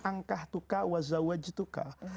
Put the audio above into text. angkah tukah wazawaj tukah